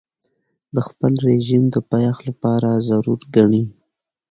د خپل رژیم د پایښت لپاره ضرور ګڼي.